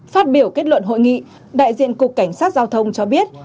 phát biểu kết luận hội nghị đại diện cục cảnh sát giao thông cho biết